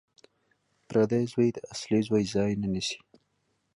پردی زوی د اصلي زوی ځای نه نیسي